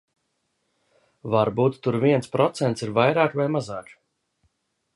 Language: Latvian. Varbūt tur viens procents ir vairāk vai mazāk.